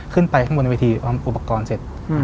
ขึ้นไปข้างบนในเวทีอุปกรณ์เสร็จ